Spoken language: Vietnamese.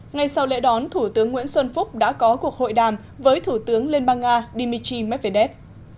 ngay sau lễ đón thủ tướng nguyễn xuân phúc đã có cuộc hội đàm với thủ tướng liên bang nga dmitry medvedev